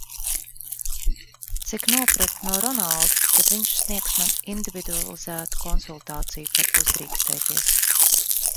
Cik nopratu no Ronalda, tad viņš sniegs man individualizētu konsultāciju par "Uzdrīkstēties".